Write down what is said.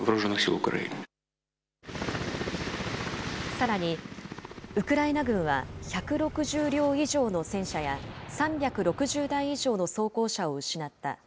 さらに、ウクライナ軍は１６０両以上の戦車や、３６０台以上の装甲車を失った。